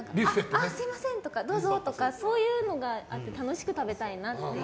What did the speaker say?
すみませんとかどうぞとか、そういうのがあって楽しく食べたいなっていう。